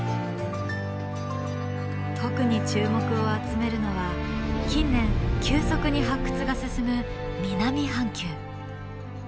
特に注目を集めるのは近年急速に発掘が進む南半球。